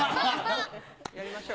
やりましょう。